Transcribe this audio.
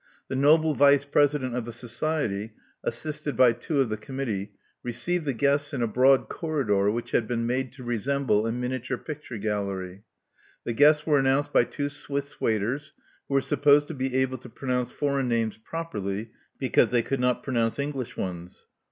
The noble vice president of the society, assisted by two of the committee, received the guests in a broad corridor which had been made to resemble a miniature picture gallery. The guests were announced by two Swiss waiters, who were supposed to be able to pronounce foreign names properly because they could not pronounce English ones.